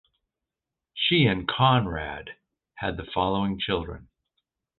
She and Conrad had the following children.